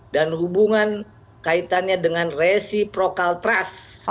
dan hubungan kaitannya dengan reciprocal trust